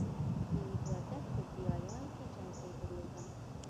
نوید وردګ په پي ای اې کې چوکۍ درلوده.